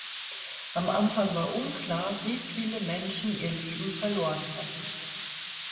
Am Anfang war unklar, wie viele Menschen ihr Leben verloren hatten.